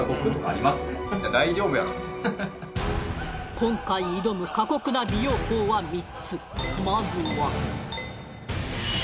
今回挑む過酷な美容法は３つまずはすると